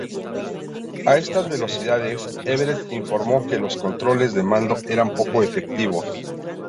A estas velocidades, Everest informó que los controles de mando eran poco efectivos.